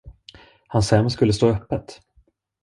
Hans hem skulle stå öppet.